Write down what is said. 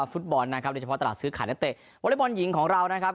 ฟุตบอลนะครับโดยเฉพาะตลาดซื้อขายนักเตะวอเล็กบอลหญิงของเรานะครับ